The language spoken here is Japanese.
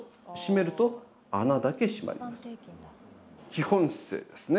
基本姿勢ですね。